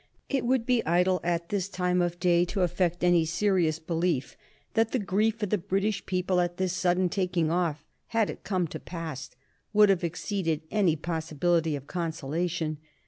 It would be idle, at this time of day, to affect any serious belief that the grief of the British people at this sudden taking off, had it come to pass, would have exceeded any possibility of consolation.